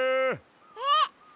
えっ！